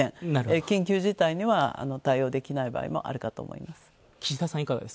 緊急事態には対応できないこともあると思います。